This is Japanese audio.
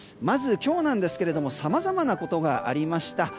まず今日なんですけれどもさまざまなことがありました。